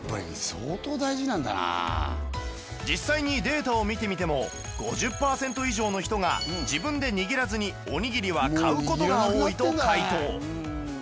実際にデータを見てみても５０パーセント以上の人が自分で握らずにおにぎりは買う事が多いと回答